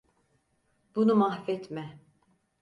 Bunu mahvetme.